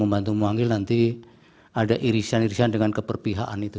membantu memanggil nanti ada irisan irisan dengan keperpihakan itu